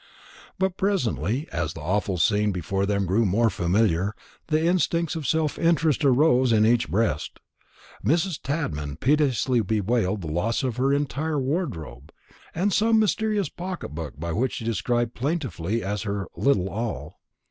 But presently, as the awful scene before them grew more familiar, the instincts of self interest arose in each breast. Mrs. Tadman piteously bewailed the loss of her entire wardrobe, and some mysterious pocket book which she described plaintively as her "little all."